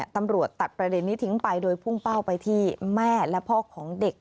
ตำรวจตัดประเด็นนี้ทิ้งไปโดยพุ่งเป้าไปที่แม่และพ่อของเด็ก